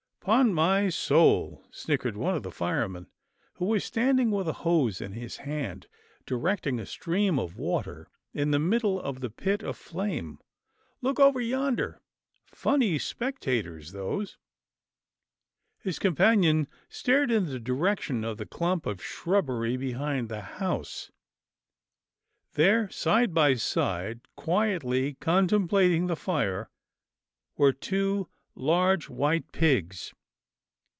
" 'Pon my soul," snickered one of the firemen who was standing with a hose in his hand, direct ing a stream of water in the middle of the pit of 248 'TILDA JANE'S ORPHANS flame, " Look over yonder — funny spectators those." His companion stared in the direction of the clump of shrubbery behind the house. There side by side, quietly contemplating the fire, were two large white pigs.